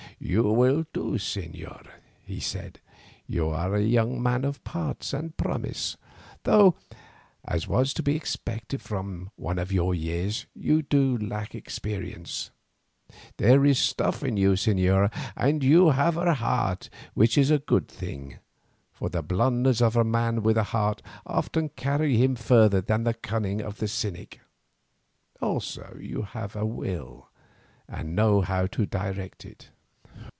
"You will do, señor," he said; "you are a young man of parts and promise, though, as was to be expected from one of your years, you lack experience. There is stuff in you, señor, and you have a heart, which is a good thing, for the blunders of a man with a heart often carry him further than the cunning of the cynic; also you have a will and know how to direct it."